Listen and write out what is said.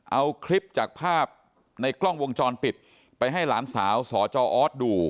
เอาคลิปจากภาพในกล้องวงจรปิดไปให้หลานสาวสจออสดู